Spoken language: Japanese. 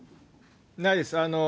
ないです。